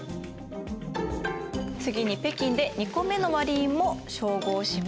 次に北京で２個目の割り印も照合します。